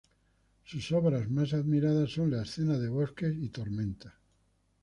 Sus obras más admiradas son las escenas de bosques y tormentas.